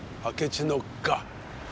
「あけちの」か。